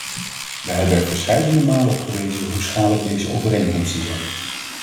Wij hebben er verscheidene malen op gewezen hoe schadelijk deze overeenkomsten zijn.